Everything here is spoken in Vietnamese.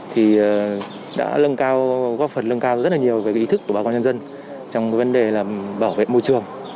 thì đã lân cao góp phần lân cao rất là nhiều về ý thức của bà con nhân dân trong vấn đề bảo vệ môi trường